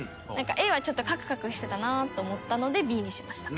Ａはちょっとカクカクしてたなと思ったのでＢにしました。